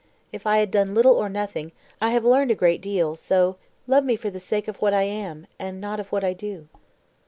If I had done little or nothing, I have learned a great deal; so "'Love me for the sake of what I am, And not of what I do.'"